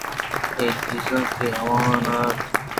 اے چیزاں کہ آوانان اَت